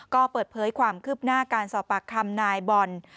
ก็เปิดเผยความคืบหน้าการสอบปากคำนายบอล